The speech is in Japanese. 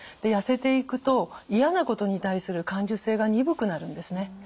痩せていくと嫌なことに対する感受性が鈍くなるんですね。